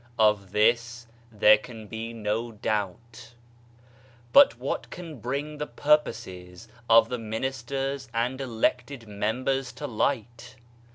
Of this there can be no doubt. But w'hat can bring the purposes of the min isters and elected members to light?